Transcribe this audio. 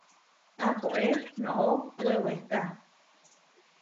Aʼpóe noʼó weweká.